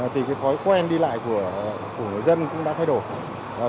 thì cái thói quen đi lại của người dân cũng đã thay đổi